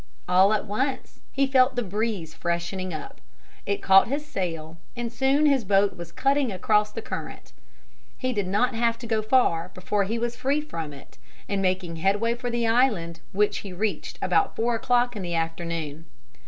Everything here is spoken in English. All at once he felt the breeze freshening up. It caught his sail and soon his boat was cutting across the current. He did not have to go far before he was free from it and making headway for the island, which he reached about four o'clock in the afternoon.